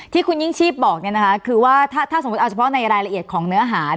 ที่คุณยิ่งชีพบอกคือว่าถ้าสมมุติเอาเฉพาะในรายละเอียดของเนื้อหา